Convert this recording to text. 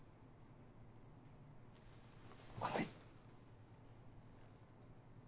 ごめん。